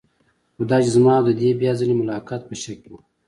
خو دا چې زما او د دې بیا ځلې ملاقات په شک کې و.